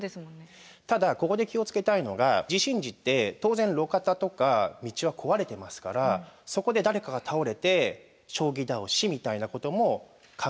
ただここで気を付けたいのが地震時って当然路肩とか道は壊れてますからそこで誰かが倒れて将棋倒しみたいなことも考えられるわけです。